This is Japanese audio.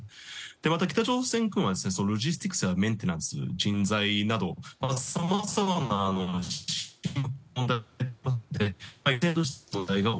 また北朝鮮軍はロジスティクスやメンテナンス人材などさまざまな問題があります。